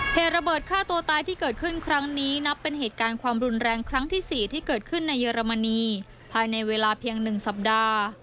เหตุระเบิดฆ่าตัวตายที่เกิดขึ้นครั้งนี้นับเป็นเหตุการณ์ความรุนแรงครั้งที่๔ที่เกิดขึ้นในเยอรมนีภายในเวลาเพียง๑สัปดาห์